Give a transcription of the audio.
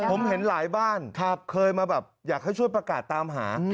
ผมเห็นหลายบ้านเคยมาแบบอยากให้ช่วยประกาศตามหา